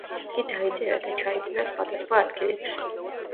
იგი დაიწერა და ჩაიწერა სხვადასხვა ადგილებში.